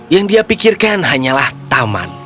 yang dia pikirkan hanyalah taman